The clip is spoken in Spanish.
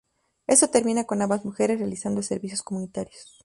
Esto termina con ambas mujeres realizando servicios comunitarios.